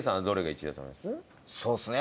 そうですね。